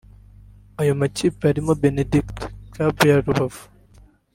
Ayo makipe arimo Benediction Club ya Rubavu